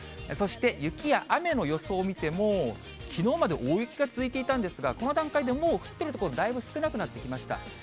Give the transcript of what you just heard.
そして雪や雨の予想を見ても、きのうまで大雪が続いていたんですが、この段階でもう降ってる所、だいぶ少なくなってきました。